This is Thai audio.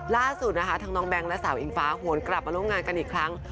ล่าสุดนะคะทั้งน้องแบงค์และสาวอิงฟ้าหวนกลับมาร่วมงานกันอีกครั้ง